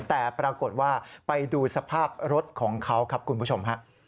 แต่ปรากฏว่าไปดูสภาพรถของเขาครับคุณผู้ชมฮะ